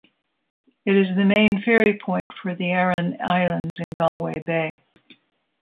It is the main ferry port for the Aran Islands in Galway Bay.